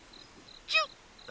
チュッ！